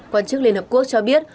quan chức liên hợp quốc cho biết